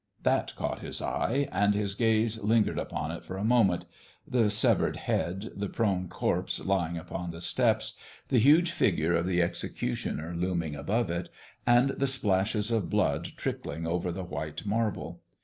That caught his eye, and his gaze lingered upon it for a moment the severed head, the prone corpse lying upon the steps, the huge figure of the executioner looming above it, and the splashes of blood trickling over the white marble.